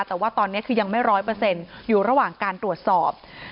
แต่ว่าตอนนี้คือยังไม่๑๐๐อยู่ระหว่างการตรวจสอบ